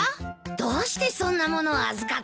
どうしてそんなものを預かったの？